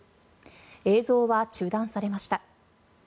映像は中断されました。